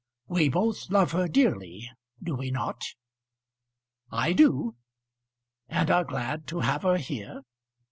We both love her dearly; do we not?" "I do." "And are glad to have her here?"